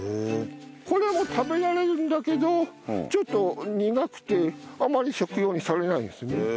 これも食べられるんだけどちょっと苦くてあまり食用にされないですね。